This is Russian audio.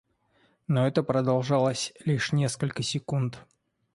Но это продолжалось лишь несколько секунд.